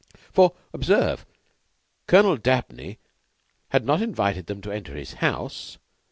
For, observe, Colonel Dabney had not invited them to enter his house.